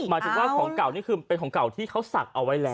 หมายถึงว่าของเก่านี่คือเป็นของเก่าที่เขาศักดิ์เอาไว้แล้ว